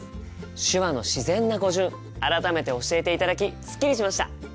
手話の自然な語順改めて教えていただきすっきりしました！